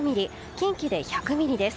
近畿で１００ミリです。